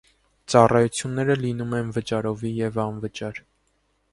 Ծառայությունները լինում են վճարովի և անվճար։